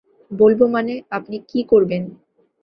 বলব মানে, আপনি কী করবেন?